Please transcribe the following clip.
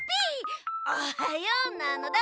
おはようなのだ！